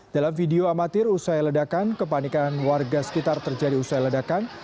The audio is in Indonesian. dalam video amatir usai ledakan kepanikan warga sekitar terjadi usai ledakan